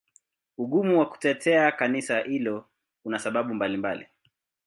Ugumu wa kutetea Kanisa hilo una sababu mbalimbali.